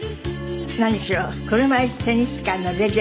何しろ車いすテニス界のレジェンド。